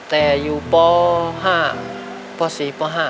แต่อยู่ป๕ป๔ป๕